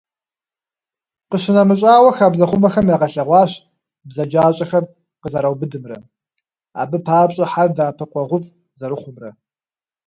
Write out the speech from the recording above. Къищынэмыщӏауэ, хабзэхъумэхэм ягъэлъэгъуащ бзаджащӏэхэр къызэраубыдымрэ, абы папщӏэ хьэр дэӏэпыкъуэгъуфӏ зэрыхъумрэ.